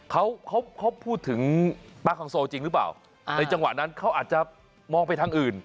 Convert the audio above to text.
เขาเขาพูดถึงป้าคองโซจริงหรือเปล่าในจังหวะนั้นเขาอาจจะมองไปทางอื่น